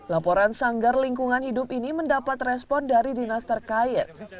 laporan sanggar lingkungan hidup ini mendapat respon dari dinas terkait